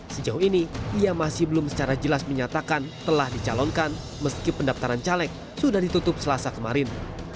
sejauh ini ia masih belum secara jelas menyatakan telah dicalonkan meski pendaftaran caleg sudah ditutup selasa kemarin